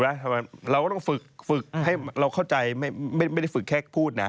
ทำไมเราก็ต้องฝึกฝึกให้เราเข้าใจไม่ได้ฝึกแค่พูดนะ